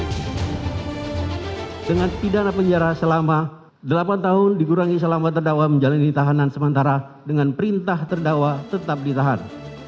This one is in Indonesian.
dengan pidana penjara selama delapan tahun dikurangi selama terdakwa menjalani tahanan sementara dengan perintah terdakwa tetap ditahan